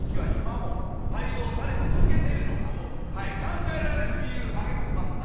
考えられる理由挙げてみました。